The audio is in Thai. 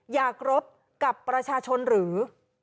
อย่ากรบกับประชาชนหรือ